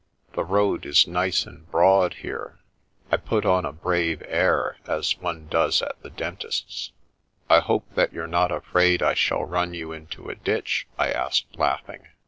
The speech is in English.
The road is nice and broad here." I put on a brave air, as does one at the dentist's. " I hope that you're not afraid I shall run you into a ditch ?" I asked, laughing.